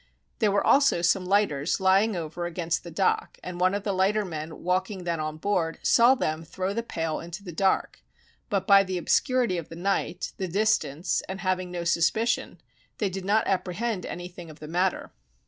There were also some lighters lying over against the dock, and one of the lightermen walking then on board, saw them throw the pail into the dark; but by the obscurity of the night, the distance, and having no suspicion, they did not apprehend anything of the matter.